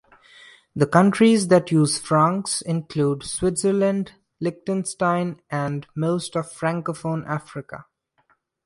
The countries that use francs include Switzerland, Liechtenstein, and most of Francophone Africa.